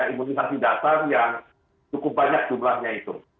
imunisasi dasar yang cukup banyak jumlahnya itu